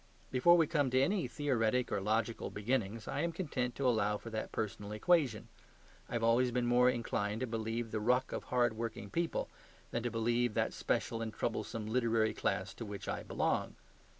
Before we come to any theoretic or logical beginnings I am content to allow for that personal equation; I have always been more inclined to believe the ruck of hard working people than to believe that special and troublesome literary class to which I belong.